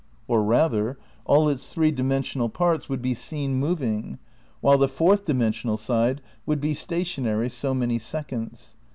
Or rather, all its three dimen sional parts would be seen moving, while the fourth dimensional side would be stationary so many seconds.